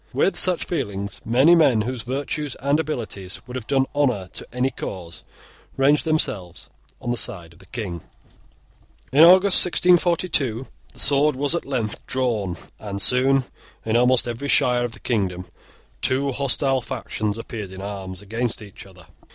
With such feelings, many men whose virtues and abilities would have done honour to any cause, ranged themselves on the side of the King. In August 1642 the sword was at length drawn; and soon, in almost every shire of the kingdom, two hostile factions appeared in arms against each other.